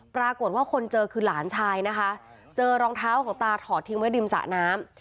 ปรากฏว่าคนเจอคือหลานชายนะคะเจอรองเท้าของตาถอดทิ้งไว้ริมสระน้ำ